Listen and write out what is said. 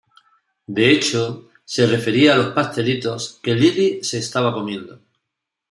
De hecho, se refería a los pastelitos que Lily se estaba comiendo.